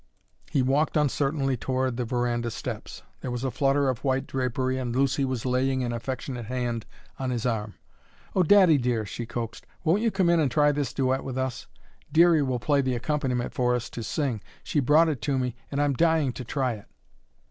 He walked uncertainly toward the veranda steps. There was a flutter of white drapery and Lucy was laying an affectionate hand on his arm. "Oh, daddy dear," she coaxed, "won't you come in and try this duet with us? Dearie will play the accompaniment for us to sing. She brought it to me, and I'm dying to try it."